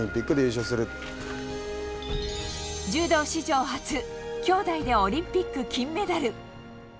柔道史上初兄妹でオリンピック金メダル。